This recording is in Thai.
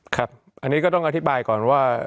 ครับอันนี้ก็ต้องอธิบายก่อนว่า